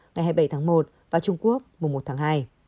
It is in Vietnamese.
ngày hai mươi bảy tháng một và trung quốc mùa một tháng hai